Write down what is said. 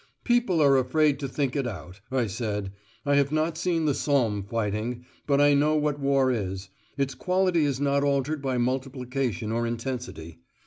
"People are afraid to think it out," I said. "I have not seen the Somme fighting, but I know what war is. Its quality is not altered by multiplication or intensity.